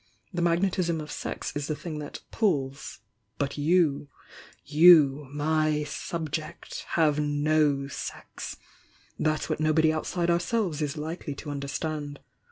The magnetism of sex is the thing that 'pulls'— but you— you, my 'subject,' have no sex! That's what nobody outside ourselves is likely to understand.